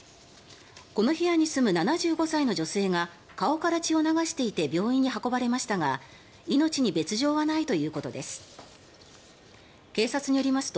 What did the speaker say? この部屋に住む７５歳の女性が顔から血を流していて病院に運ばれましたが命に別条はないということです。